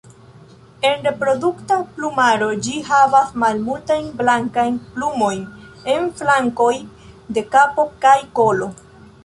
En reprodukta plumaro ĝi havas malmultajn blankajn plumojn en flankoj de kapo kaj kolo.